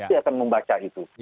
dia akan membaca itu